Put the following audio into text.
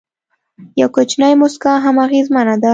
یو کوچنی موسکا هم اغېزمنه ده.